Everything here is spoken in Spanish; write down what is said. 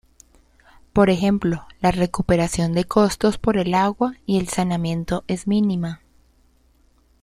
Por ejemplo, la recuperación de costos por el agua y el saneamiento es mínima.